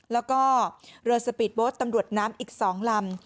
แล้วก็เรือสปีดโบสต์ตำรวจน้ำอีก๒ลำ